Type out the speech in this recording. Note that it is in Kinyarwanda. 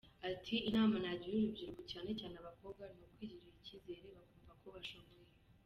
Ati “Inama nagira urubyiruko cyane cyane abakobwa ni ukwigirira icyizere bakumva ko bashoboye.